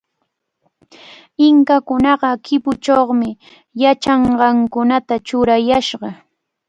Inkakunaqa kipuchawmi yachanqakunata churayashqa.